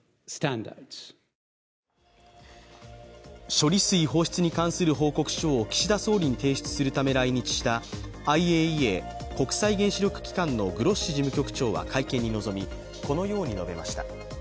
処理水放出に関する報告書を岸田総理に提出するため来日したＩＡＥＡ＝国際原子力機関のグロッシ事務局長は会見に臨み、このように述べました。